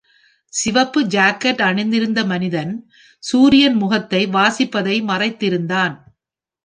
சிகப்பு ஜாக்கெட் அணிந்திருந்த மனிதன் சூரியன் முகத்தை வாசிப்பதை மறைத்திருந்தான்.